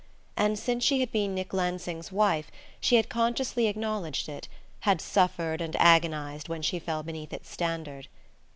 And since she had been Nick Lansing's wife she had consciously acknowledged it, had suffered and agonized when she fell beneath its standard.